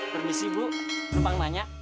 permisi bu cuma nanya